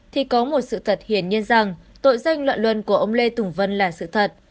thì có một sự thật hiển nhiên rằng tội danh loạn luân của ông lê tùng vân là sự thật